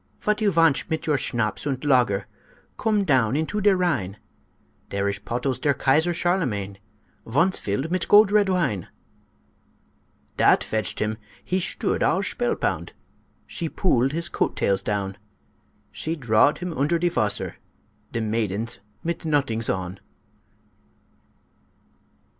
"Vot you vantsh mit your schnapps und lager? Coom down into der Rhine! Der ish pottles der Kaiser Charlemagne Vonce filled mit gold red wine!" Dat fetched him he shtood all shpell pound; She pooled his coat tails down, She drawed him oonder der wasser, De maidens mit nodings on.